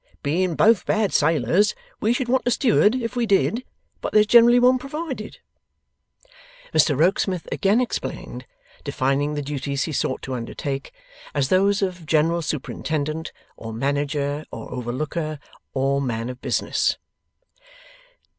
Being both bad sailors, we should want a Steward if we did; but there's generally one provided.' Mr Rokesmith again explained; defining the duties he sought to undertake, as those of general superintendent, or manager, or overlooker, or man of business.